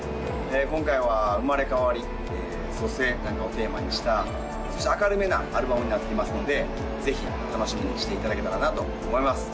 今回は「生まれ変わり」「蘇生」なんかをテーマにしたそして明るめなアルバムになっていますのでぜひ楽しみにしていただけたらなと思います